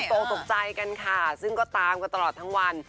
ตกตกใจกันค่ะซึ่งก็ตามกันตลอดทั้งวัน